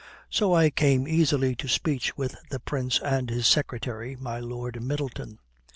So I came easily to speech with the Prince and his secretary, my Lord Middleton.